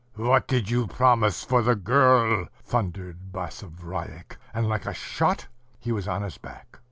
... "What did you promise for the girl?" ... thundered Basavriuk; and like a shot he was on his back.